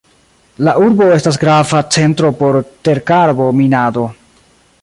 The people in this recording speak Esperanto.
La urbo estas grava centro por terkarbo-minado.